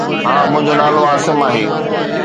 ها، منهنجو نالو عاصم آهي